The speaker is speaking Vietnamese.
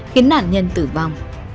khiến nạn nhân tử vong